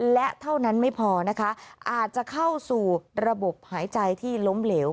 และเท่านั้นไม่พอนะคะอาจจะเข้าสู่ระบบหายใจที่ล้มเหลว